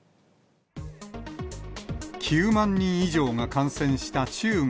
９万人以上が感染した中国。